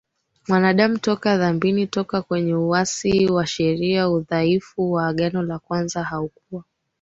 mwanadamu toka dhambini toka kwenye Uasi wa sheria Udhaifu wa Agano la kwanza haukuwa